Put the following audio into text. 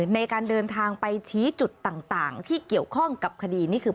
ในการเดินทางไปชี้จุดต่างที่เกี่ยวข้องกับคดีนี่คือ